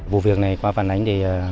vụ việc này qua phản ánh